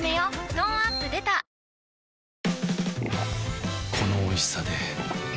トーンアップ出たこのおいしさで